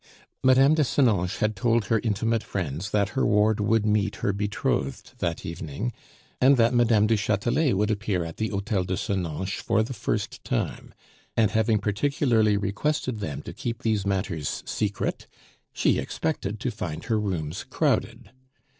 Mme. de Senonches had told her intimate friends that her ward would meet her betrothed that evening, and that Mme. du Chatelet would appear at the Hotel de Senonches for the first time; and having particularly requested them to keep these matters secret, she expected to find her rooms crowded.